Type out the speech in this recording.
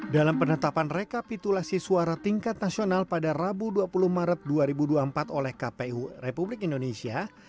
dalam penetapan rekapitulasi suara tingkat nasional pada rabu dua puluh maret dua ribu dua puluh empat oleh kpu republik indonesia